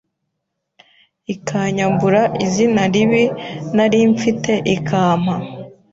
ikanyambura izina ribi nari mfite ikampa